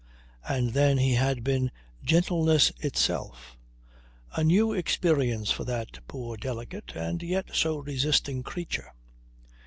And then he had been "gentleness itself." A new experience for that poor, delicate, and yet so resisting creature.